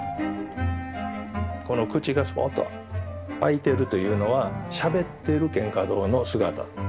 この口がすぼっと開いてるというのはしゃべってる蒹葭堂の姿。